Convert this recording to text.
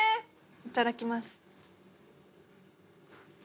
いただきます。